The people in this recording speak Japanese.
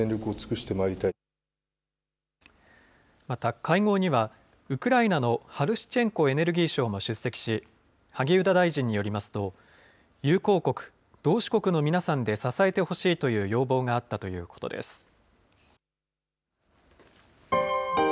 また会合には、ウクライナのハルシチェンコエネルギー相も出席し、萩生田大臣によりますと、友好国、同志国の皆さんに支えてほしいという要望があったということです。